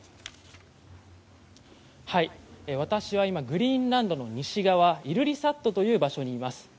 私は今グリーンランドの西側イルリサットという場所にいます。